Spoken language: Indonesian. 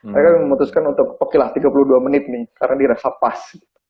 mereka memutuskan untuk okelah tiga puluh dua menit nih karena dirasa pas